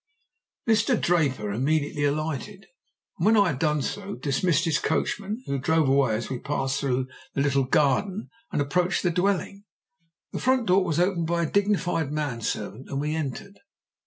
"Mr. Draper immediately alighted, and when I had done so, dismissed his coachman, who drove away as we passed through the little garden and approached the dwelling. The front door was opened by a dignified man servant, and we entered.